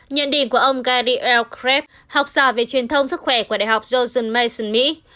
nhận định của ông gary l kreb học giả về truyền thông sức khỏe của đại học johnson mason mỹ